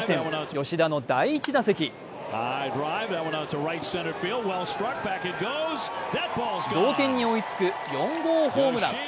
吉田の第１打席同点に追いつく４号ホームラン。